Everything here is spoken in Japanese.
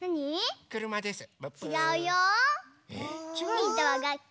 ヒントはがっき。